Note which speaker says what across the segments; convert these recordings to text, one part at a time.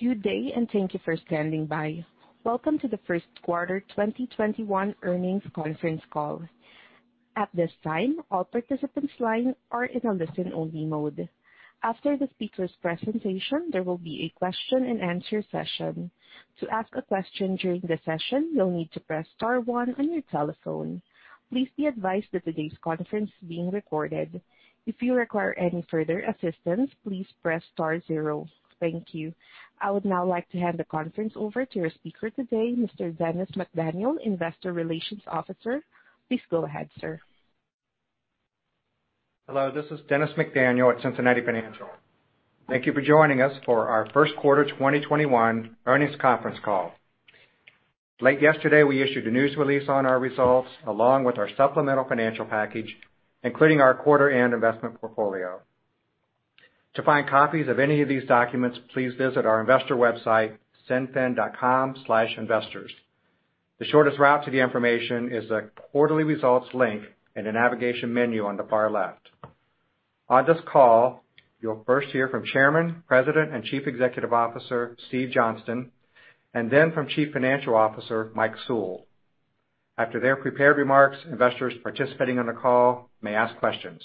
Speaker 1: Good day, and thank you for standing by. Welcome to the First Quarter 2021 Earnings Conference Call. At this time, all participants' lines are in a listen-only mode. After the speaker's presentation, there will be a question and answer session. To ask a question during the session, you'll need to press star one on your telephone. Please be advised that today's conference is being recorded. If you require any further assistance, please press star zero. Thank you. I would now like to hand the conference over to your speaker today, Mr. Dennis McDaniel, Investor Relations Officer. Please go ahead, sir.
Speaker 2: Hello, this is Dennis McDaniel at Cincinnati Financial. Thank you for joining us for our first quarter 2021 earnings conference call. Late yesterday, we issued a news release on our results, along with our supplemental financial package, including our quarter-end investment portfolio. To find copies of any of these documents, please visit our investor website, cinfin.com/investors. The shortest route to the information is the Quarterly Results link in the navigation menu on the far left. On this call, you'll first hear from Chairman, President, and Chief Executive Officer, Steve Johnston, and then from Chief Financial Officer, Mike Sewell. After their prepared remarks, investors participating on the call may ask questions.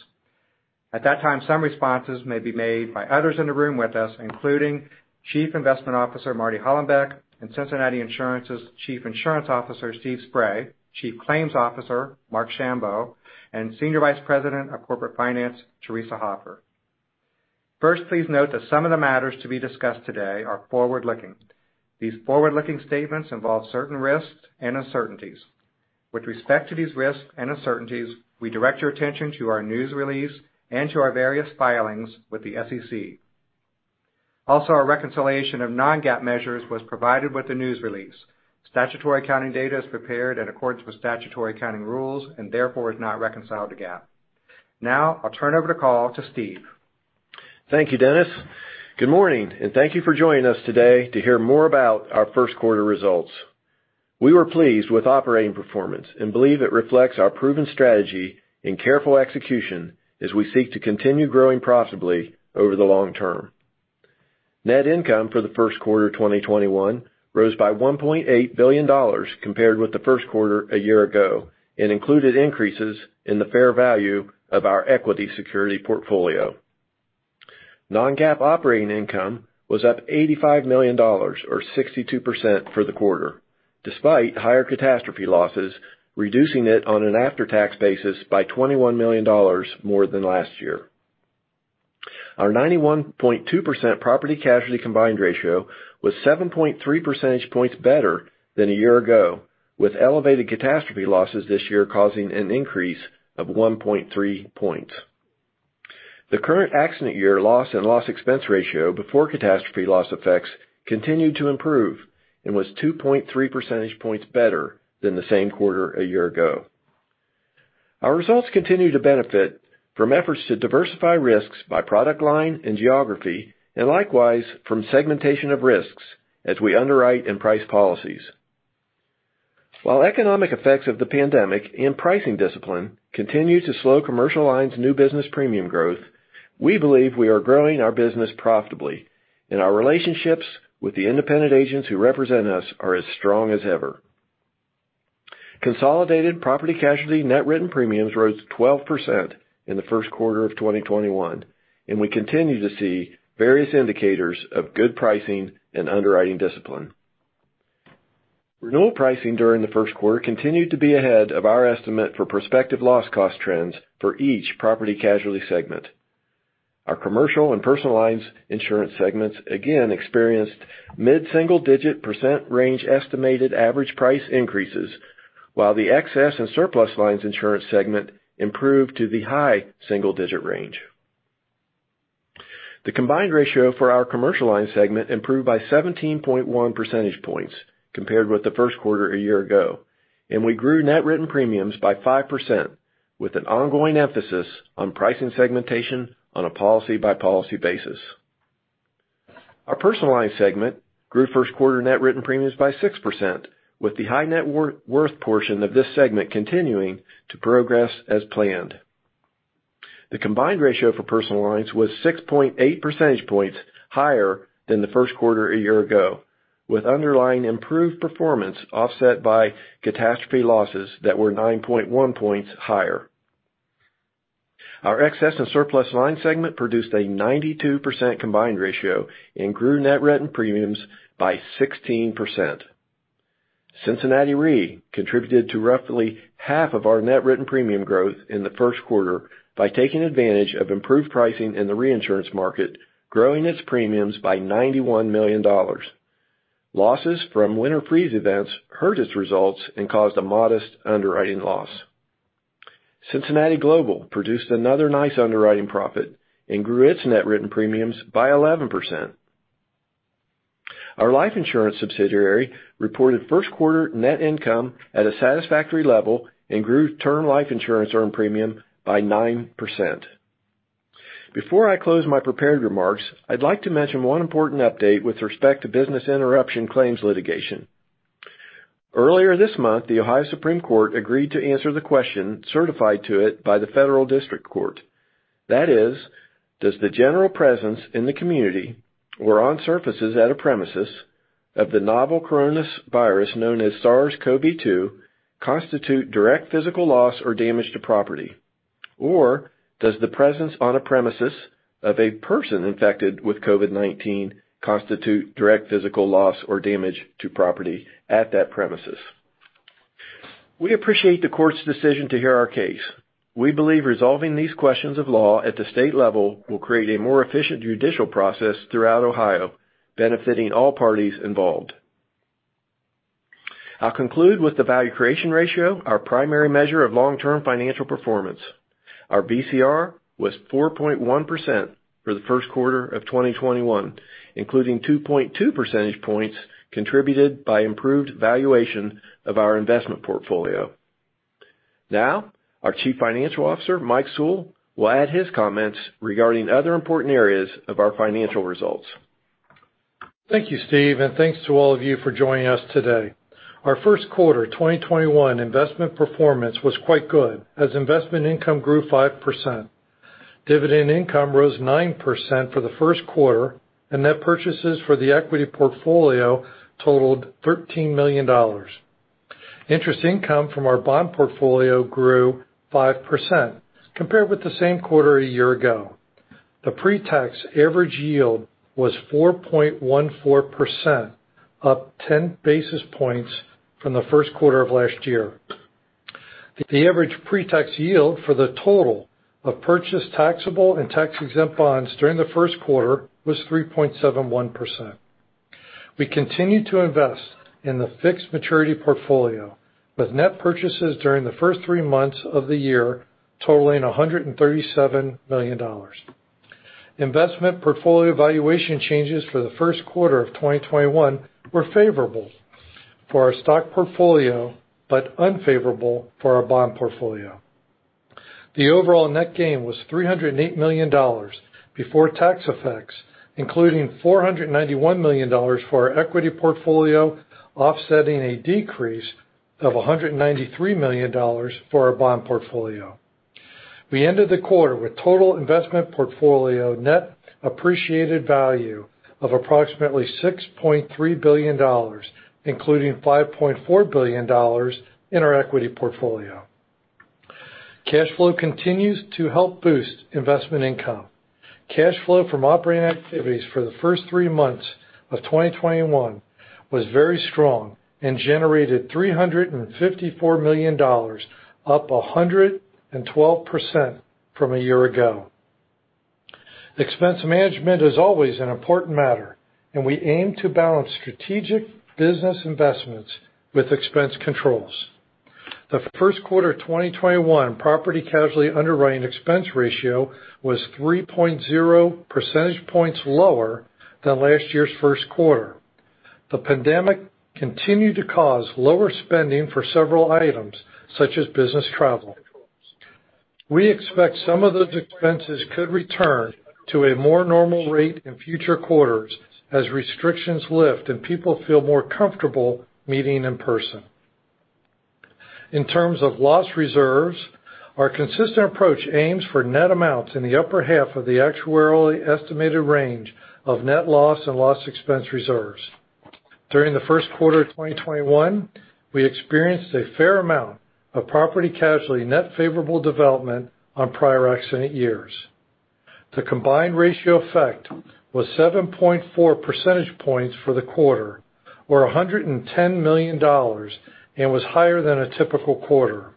Speaker 2: At that time, some responses may be made by others in the room with us, including Chief Investment Officer Martin Hollenbeck and Cincinnati Insurance's Chief Insurance Officer, Steve Spray, Chief Claims Officer Marc Schambow, and Senior Vice President of Corporate Finance, Theresa Hoffer. First, please note that some of the matters to be discussed today are forward-looking. These forward-looking statements involve certain risks and uncertainties. With respect to these risks and uncertainties, we direct your attention to our news release and to our various filings with the SEC. Also, our reconciliation of non-GAAP measures was provided with the news release. Statutory accounting data is prepared in accordance with statutory accounting rules and therefore is not reconciled to GAAP. Now, I'll turn over the call to Steve.
Speaker 3: Thank you, Dennis. Good morning, and thank you for joining us today to hear more about our first quarter results. We were pleased with operating performance and believe it reflects our proven strategy and careful execution as we seek to continue growing profitably over the long term. Net income for the first quarter 2021 rose by $1.8 billion compared with the first quarter a year ago and included increases in the fair value of our equity security portfolio. non-GAAP operating income was up $85 million, or 62% for the quarter, despite higher catastrophe losses, reducing it on an after-tax basis by $21 million more than last year. Our 91.2% property and casualty combined ratio was 7.3 percentage points better than a year ago, with elevated catastrophe losses this year causing an increase of 1.3 points. The current accident year loss and loss expense ratio before catastrophe loss effects continued to improve and was 2.3 percentage points better than the same quarter a year ago. Our results continue to benefit from efforts to diversify risks by product line and geography, and likewise, from segmentation of risks as we underwrite and price policies. While economic effects of the pandemic and pricing discipline continue to slow commercial lines' new business premium growth, we believe we are growing our business profitably, and our relationships with the independent agents who represent us are as strong as ever. Consolidated property-casualty net written premiums rose 12% in the first quarter of 2021, and we continue to see various indicators of good pricing and underwriting discipline. Renewal pricing during the first quarter continued to be ahead of our estimate for prospective loss cost trends for each property-casualty segment. Our commercial and personal lines insurance segments again experienced mid-single-digit percent range estimated average price increases, while the excess and surplus lines insurance segment improved to the high single-digit range. The combined ratio for our commercial lines segment improved by 17.1 percentage points compared with the first quarter a year ago. We grew net written premiums by 5% with an ongoing emphasis on pricing segmentation on a policy-by-policy basis. Our personal lines segment grew first quarter net written premiums by 6% with the high net worth portion of this segment continuing to progress as planned. The combined ratio for personal lines was 6.8 percentage points higher than the first quarter a year ago, with underlying improved performance offset by catastrophe losses that were 9.1 points higher. Our excess and surplus lines segment produced a 92% combined ratio and grew net written premiums by 16%. Cincinnati Re contributed to roughly half of our net written premium growth in the first quarter by taking advantage of improved pricing in the reinsurance market, growing its premiums by $91 million. Losses from winter freeze events hurt its results and caused a modest underwriting loss. Cincinnati Global produced another nice underwriting profit and grew its net written premiums by 11%. Our life insurance subsidiary reported first quarter net income at a satisfactory level and grew term life insurance earned premium by 9%. Before I close my prepared remarks, I'd like to mention one important update with respect to business interruption claims litigation. Earlier this month, the Ohio Supreme Court agreed to answer the question certified to it by the Federal District Court. That is, does the general presence in the community or on surfaces at a premises of the novel coronavirus known as SARS-CoV-2 constitute direct physical loss or damage to property? Or does the presence on a premises of a person infected with COVID-19 constitute direct physical loss or damage to property at that premises? We appreciate the court's decision to hear our case. We believe resolving these questions of law at the state level will create a more efficient judicial process throughout Ohio, benefiting all parties involved. I'll conclude with the value creation ratio, our primary measure of long-term financial performance. Our VCR was 4.1% for the first quarter of 2021, including 2.2 percentage points contributed by improved valuation of our investment portfolio. Now, our Chief Financial Officer, Mike Sewell, will add his comments regarding other important areas of our financial results.
Speaker 4: Thank you, Steve, and thanks to all of you for joining us today. Our first quarter 2021 investment performance was quite good as investment income grew 5%. Dividend income rose 9% for the first quarter, and net purchases for the equity portfolio totaled $13 million. Interest income from our bond portfolio grew 5% compared with the same quarter a year ago. The pre-tax average yield was 4.14%, up 10 basis points from the first quarter of last year. The average pre-tax yield for the total of purchased taxable and tax-exempt bonds during the first quarter was 3.71%. We continue to invest in the fixed maturity portfolio with net purchases during the first three months of the year totaling $137 million. Investment portfolio valuation changes for the first quarter of 2021 were favorable for our stock portfolio but unfavorable for our bond portfolio. The overall net gain was $308 million before tax effects, including $491 million for our equity portfolio, offsetting a decrease of $193 million for our bond portfolio. We ended the quarter with total investment portfolio net appreciated value of approximately $6.3 billion, including $5.4 billion in our equity portfolio. Cash flow continues to help boost investment income. Cash flow from operating activities for the first three months of 2021 was very strong and generated $354 million, up 112% from a year ago. Expense management is always an important matter, and we aim to balance strategic business investments with expense controls. The first quarter 2021 property-casualty underwriting expense ratio was 3.0 percentage points lower than last year's first quarter. The pandemic continued to cause lower spending for several items, such as business travel. We expect some of those expenses could return to a more normal rate in future quarters as restrictions lift and people feel more comfortable meeting in person. In terms of loss reserves, our consistent approach aims for net amounts in the upper half of the actuarially estimated range of net loss and loss expense reserves. During the first quarter of 2021, we experienced a fair amount of property-casualty net favorable development on prior accident years. The combined ratio effect was 7.4 percentage points for the quarter or $110 million and was higher than a typical quarter.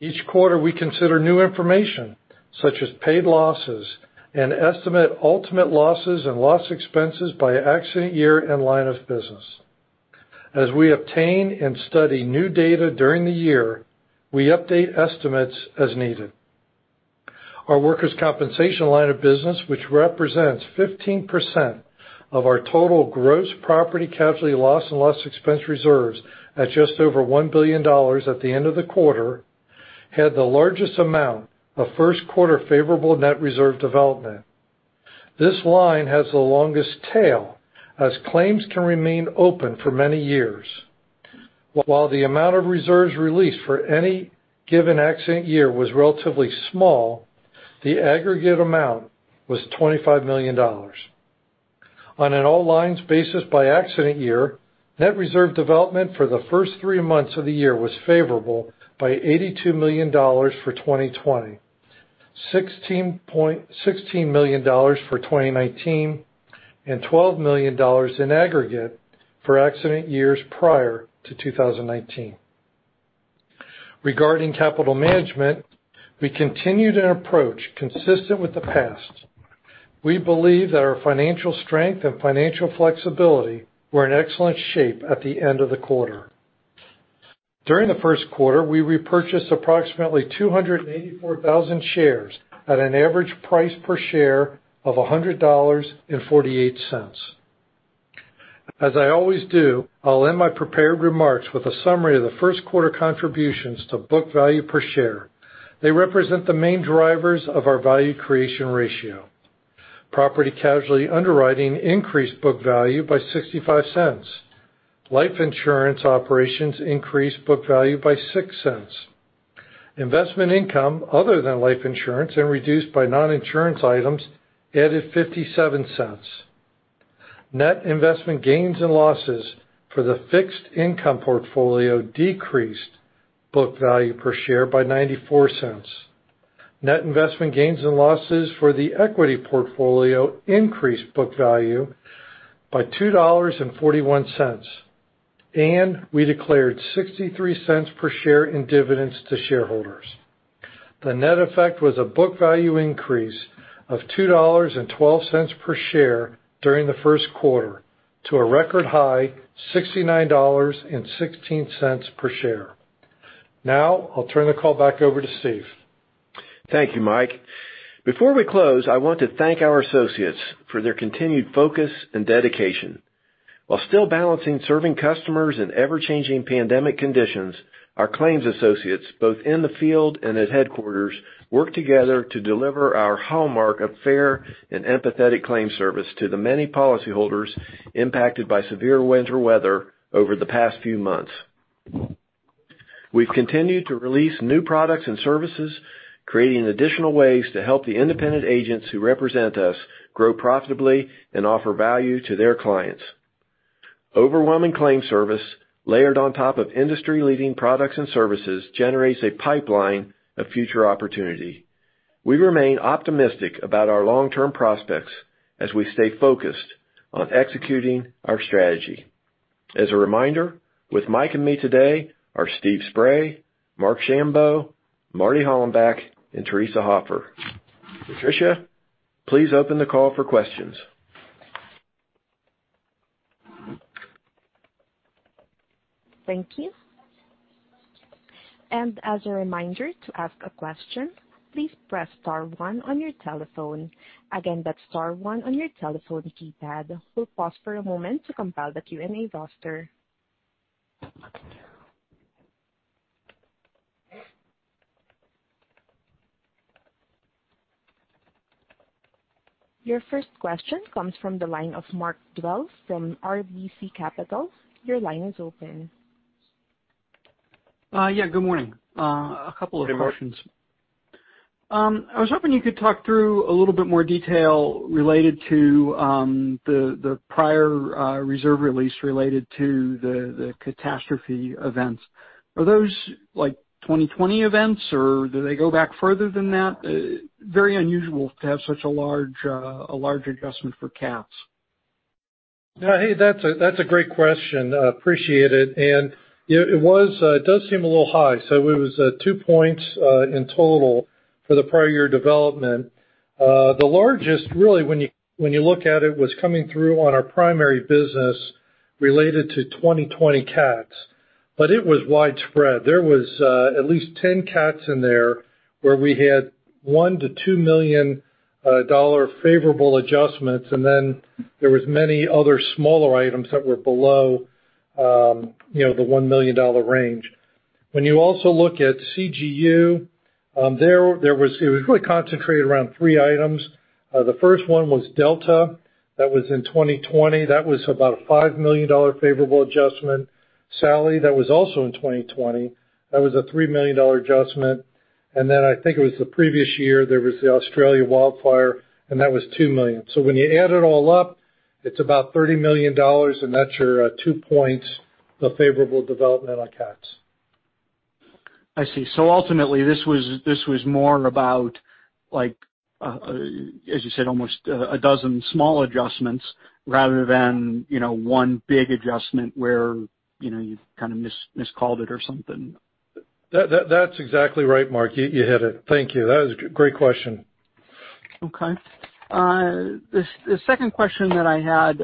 Speaker 4: Each quarter, we consider new information, such as paid losses and estimate ultimate losses and loss expenses by accident year and line of business. As we obtain and study new data during the year, we update estimates as needed. Our workers' compensation line of business, which represents 15% of our total gross property-casualty loss and loss expense reserves at just over $1 billion at the end of the quarter, had the largest amount of first-quarter favorable net reserve development. This line has the longest tail as claims can remain open for many years. While the amount of reserves released for any given accident year was relatively small, the aggregate amount was $25 million. On an all lines basis by accident year, net reserve development for the first three months of the year was favorable by $82 million for 2020, $16 million for 2019, and $12 million in aggregate for accident years prior to 2019. Regarding capital management, we continued an approach consistent with the past. We believe that our financial strength and financial flexibility were in excellent shape at the end of the quarter. During the first quarter, we repurchased approximately 284,000 shares at an average price per share of $100.48. As I always do, I'll end my prepared remarks with a summary of the first quarter contributions to book value per share. They represent the main drivers of our value creation ratio. Property casualty underwriting increased book value by $0.65. Life insurance operations increased book value by $0.06. Investment income other than life insurance and reduced by non-insurance items added $0.57. Net investment gains and losses for the fixed income portfolio decreased book value per share by $0.94. Net investment gains and losses for the equity portfolio increased book value by $2.41. We declared $0.63 per share in dividends to shareholders. The net effect was a book value increase of $2.12 per share during the first quarter to a record high $69.16 per share. Now I'll turn the call back over to Steve.
Speaker 3: Thank you, Mike. Before we close, I want to thank our associates for their continued focus and dedication. While still balancing serving customers in ever-changing pandemic conditions, our claims associates, both in the field and at headquarters, work together to deliver our hallmark of fair and empathetic claim service to the many policyholders impacted by severe winter weather over the past few months. We've continued to release new products and services, creating additional ways to help the independent agents who represent us grow profitably and offer value to their clients. Overwhelming claim service layered on top of industry-leading products and services generates a pipeline of future opportunity. We remain optimistic about our long-term prospects as we stay focused on executing our strategy. As a reminder, with Mike and me today are Steve Spray, Marc Schambow, Martin Hollenbech, and Theresa Hoffer. Patricia, please open the call for questions.
Speaker 1: Thank you. As a reminder, to ask a question, please press star one on your telephone. Again, that's star one on your telephone keypad. We'll pause for a moment to compile the Q&A roster. Your first question comes from the line of Mark Dwelle from RBC Capital. Your line is open.
Speaker 5: Yeah, good morning. A couple of questions.
Speaker 3: Good morning.
Speaker 5: I was hoping you could talk through a little bit more detail related to the prior reserve release related to the catastrophe events. Are those 2020 events, or do they go back further than that? Very unusual to have such a large adjustment for cats.
Speaker 4: That's a great question. Appreciate it. It does seem a little high. It was two points in total for the prior year development. The largest, really when you look at it, was coming through on our primary business related to 2020 cats. It was widespread. There was at least 10 cats in there where we had $1 million-$2 million favorable adjustments, and then there was many other smaller items that were below the $1 million range. When you also look at CGU, it was really concentrated around three items. The first one was Hurricane Delta. That was in 2020. That was about a $5 million favorable adjustment. Hurricane Sally, that was also in 2020. That was a $3 million adjustment. I think it was the previous year, there was the Australia wildfire, and that was $2 million. When you add it all up, it's about $30 million, and that's your two points of favorable development on cats.
Speaker 5: I see. ultimately, this was more about, as you said, almost 12 small adjustments rather than one big adjustment where you kind of miscalled it or something.
Speaker 4: That's exactly right, Mark. You hit it. Thank you. That was a great question.
Speaker 5: Okay. The second question that I had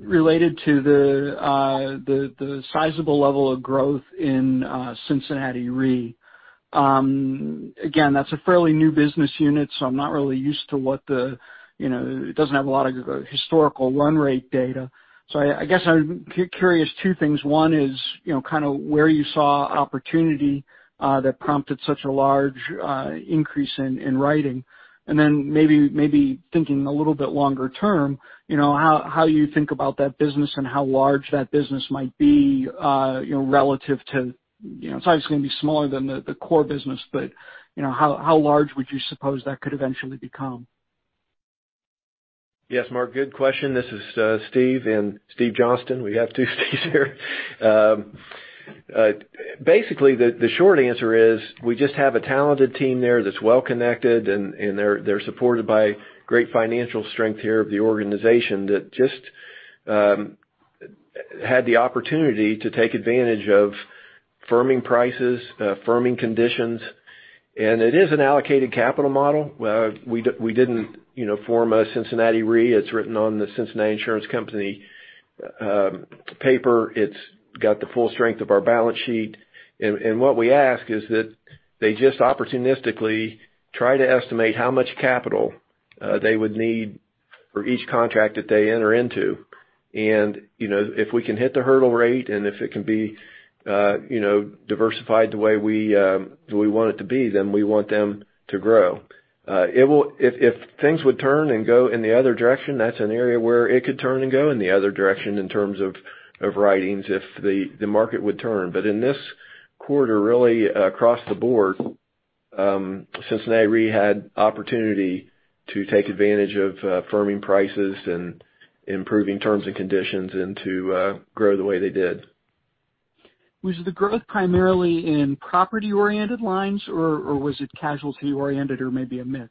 Speaker 5: related to the sizable level of growth in Cincinnati Re. Again, that's a fairly new business unit, so I'm not really used to it doesn't have a lot of historical run rate data. I guess I'm curious, two things. One is where you saw opportunity that prompted such a large increase in writing, and then maybe thinking a little bit longer term, how you think about that business and how large that business might be it's obviously going to be smaller than the core business, but how large would you suppose that could eventually become?
Speaker 3: Yes, Mark, good question. This is Steve, and Steve Johnston. We have two Steves here. Basically, the short answer is we just have a talented team there that's well-connected, and they're supported by great financial strength here of the organization that just had the opportunity to take advantage of firming prices, firming conditions. It is an allocated capital model. We didn't form a Cincinnati Re. It's written on The Cincinnati Insurance Company paper. It's got the full strength of our balance sheet. What we ask is that they just opportunistically try to estimate how much capital they would need for each contract that they enter into. If we can hit the hurdle rate, and if it can be diversified the way we want it to be, then we want them to grow. If things would turn and go in the other direction, that's an area where it could turn and go in the other direction in terms of writings, if the market would turn. In this quarter, really across the board, Cincinnati Re had opportunity to take advantage of firming prices and improving terms and conditions, and to grow the way they did.
Speaker 5: Was the growth primarily in property-oriented lines, or was it casualty oriented, or maybe a mix?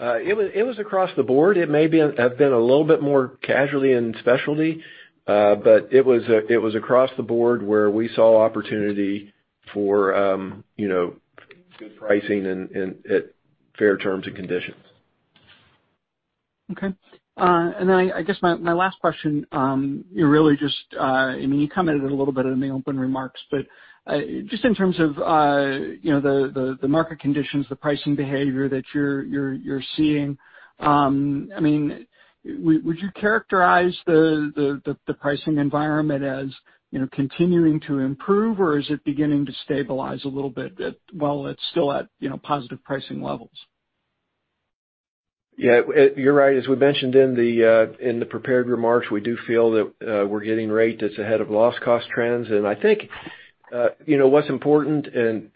Speaker 3: It was across the board. It may have been a little bit more casualty and specialty, but it was across the board where we saw opportunity for good pricing and at fair terms and conditions.
Speaker 5: Okay. I guess my last question, you commented a little bit in the open remarks, but just in terms of the market conditions, the pricing behavior that you're seeing, would you characterize the pricing environment as continuing to improve, or is it beginning to stabilize a little bit while it's still at positive pricing levels?
Speaker 3: Yeah, you're right. As we mentioned in the prepared remarks, we do feel that we're getting rate that's ahead of loss cost trends. I think what's important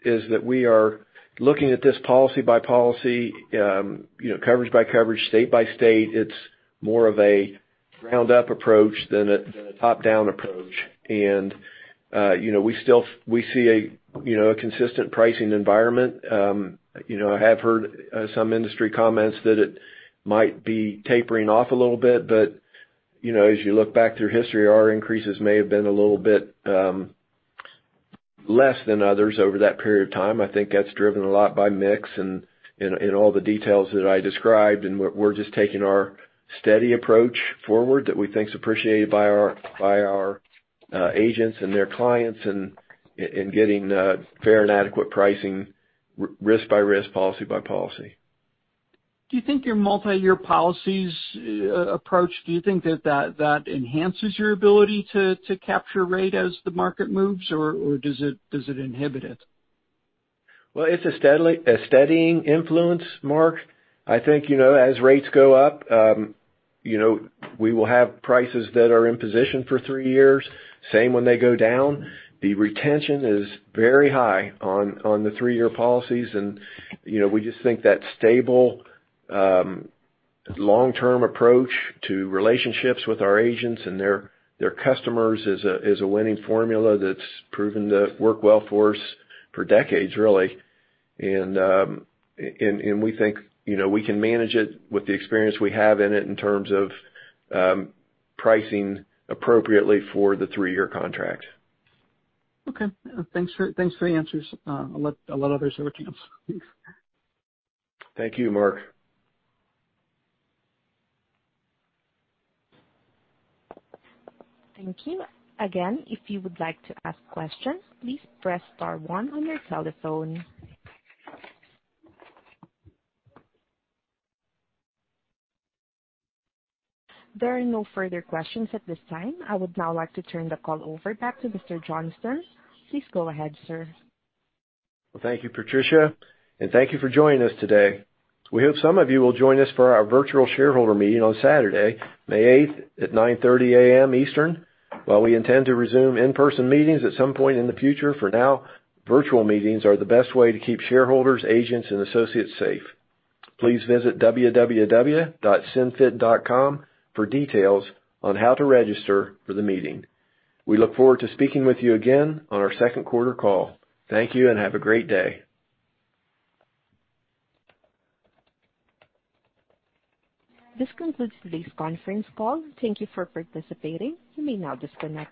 Speaker 3: is that we are looking at this policy by policy, coverage by coverage, state by state. It's more of a ground-up approach than a top-down approach. We see a consistent pricing environment. I have heard some industry comments that it might be tapering off a little bit, but as you look back through history, our increases may have been a little bit less than others over that period of time. I think that's driven a lot by mix and all the details that I described, and we're just taking our steady approach forward that we think is appreciated by our agents and their clients, and getting fair and adequate pricing risk by risk, policy by policy.
Speaker 5: Do you think your multi-year policies approach, do you think that enhances your ability to capture rate as the market moves, or does it inhibit it?
Speaker 3: Well, it's a steadying influence, Mark. I think as rates go up, we will have prices that are in position for three years. Same when they go down. The retention is very high on the three-year policies, and we just think that stable, long-term approach to relationships with our agents and their customers is a winning formula that's proven to work well for us for decades, really. We think we can manage it with the experience we have in it, in terms of pricing appropriately for the three-year contract.
Speaker 5: Okay. Thanks for the answers. I'll let others have a chance.
Speaker 3: Thank you, Mark.
Speaker 1: Thank you. Again, if you would like to ask questions, please press star one on your telephone. There are no further questions at this time. I would now like to turn the call over back to Mr. Johnston. Please go ahead, sir.
Speaker 3: Well, thank you, Patricia, and thank you for joining us today. We hope some of you will join us for our virtual shareholder meeting on Saturday, May 8th at 9:30 A.M. Eastern. While we intend to resume in-person meetings at some point in the future, for now, virtual meetings are the best way to keep shareholders, agents and associates safe. Please visit www.cinfin.com for details on how to register for the meeting. We look forward to speaking with you again on our second quarter call. Thank you and have a great day.
Speaker 1: This concludes today's conference call. Thank you for participating. You may now disconnect.